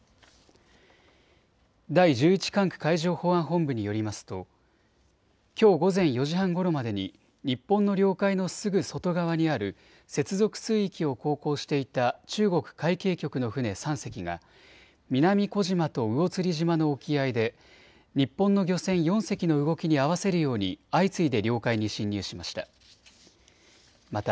第１１管区海上保安本部によりますときょう午前４時半ごろまでに日本の領海のすぐ外側にある接続水域を航行していた中国海警局の船３隻が南小島と魚釣島の沖合で日本の漁船４隻の動きに合わせるように相次いで領海に侵入しました。